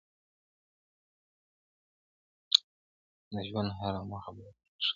د ژوند هره موخه باید روښانه وي.